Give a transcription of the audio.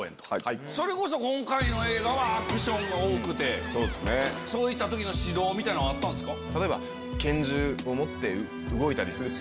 今回の映画はアクションが多くてそういった時の指導みたいなのはあったんですか？